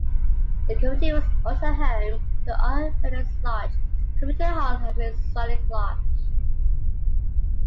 The community was also home to an Oddfellows lodge, community hall and Masonic lodge.